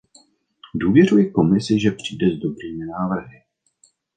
Důvěřuji Komisi, že přijde s dobrými návrhy.